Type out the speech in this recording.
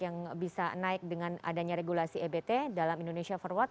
yang bisa naik dengan adanya regulasi ebt dalam indonesia forward